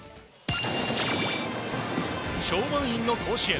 超満員の甲子園。